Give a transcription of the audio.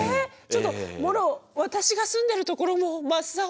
ちょっともろ私が住んでるところも真っ青。